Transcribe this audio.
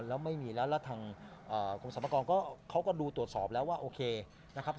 แล้วไม่มีแล้วแล้วทางกรมสรรพากรก็เขาก็ดูตรวจสอบแล้วว่าโอเคนะครับ